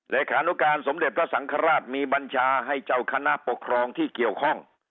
เลขานุการสมเด็จพระสังฆราชมีบัญชาให้เจ้าคณะปกครองที่เกี่ยวข้อง